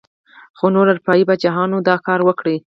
خو نورو اروپايي پاچاهانو دا کار وکړ.